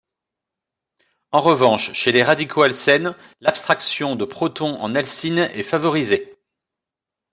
En revanche chez les radicaux alcène, l'abstraction de proton en alcyne est favorisée.